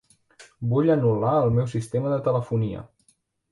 Vull anul·lar el meu sistema de telefonia.